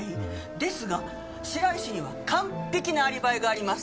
ですが白石には完璧なアリバイがあります。